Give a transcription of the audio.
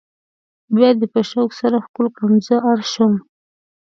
بیا دې په شوق سره ښکل کړم زه اړ شوم.